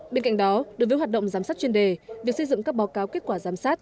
bên cạnh đó đối với hoạt động giám sát chuyên đề việc xây dựng các báo cáo kết quả giám sát